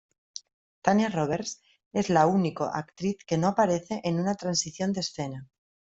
Tanya Roberts es la único actriz que no aparece en una transición de escena.